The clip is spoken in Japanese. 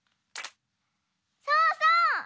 そうそう！